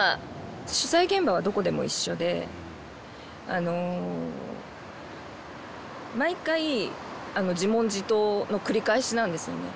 取材現場はどこでも一緒で毎回自問自答の繰り返しなんですよね。